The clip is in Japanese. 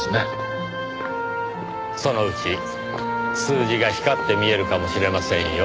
そのうち数字が光って見えるかもしれませんよ。